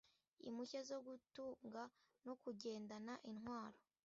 Impushya zo gutunga no kugendana intwaro